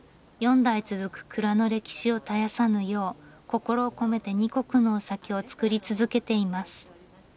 ４代続く蔵の歴史を絶やさぬよう心を込めて２石のお酒を造り続けています。